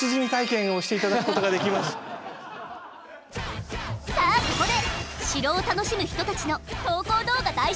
ここで城を楽しむ人たちの投稿動画大集合！